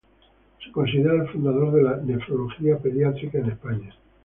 Se considera el fundador de la Nefrología pediátrica en España.